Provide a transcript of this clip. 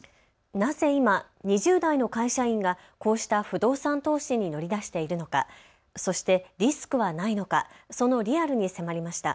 なぜ今２０代の会社員がこうした不動産投資に乗り出しているのかそしてリスクはないのかそのリアルに迫りました。